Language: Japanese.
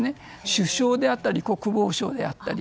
首相であったり国防省であったり。